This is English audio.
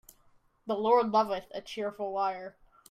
The Lord loveth a cheerful liar.